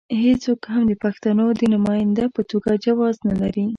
هېڅوک هم د پښتنو د نماینده په توګه جواز نه لري.